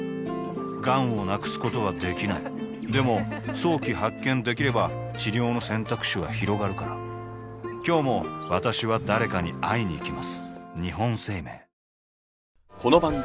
がんを無くすことはできないでも早期発見できれば治療の選択肢はひろがるから今日も私は誰かに会いにいきます